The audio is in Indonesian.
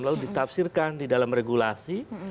lalu ditafsirkan di dalam regulasi